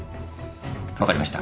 分かりました。